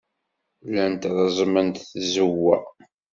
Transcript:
Llant reẓment tzewwa.